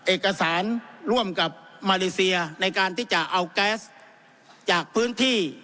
เอกสารร่วมกับมาเลเซียในการที่จะเอาแก๊สจากพื้นที่